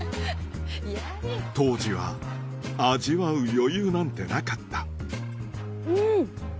当時は味わう余裕なんてなかったうん。